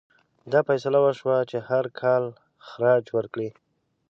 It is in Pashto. دا فیصله وشوه چې هر کال خراج ورکړي.